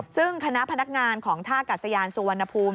ซึ่งคณะพนักงานของท่ากัดสยานสุวรรณภูมิ